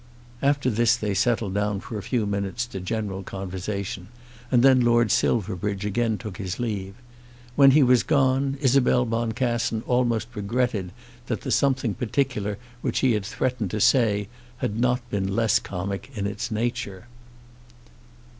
After this they settled down for a few minutes to general conversation, and then Lord Silverbridge again took his leave. When he was gone Isabel Boncassen almost regretted that the "something particular" which he had threatened to say had not been less comic in its nature.